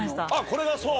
これがそう？